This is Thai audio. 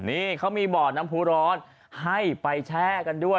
นี่เขามีบ่อน้ำผู้ร้อนให้ไปแช่กันด้วย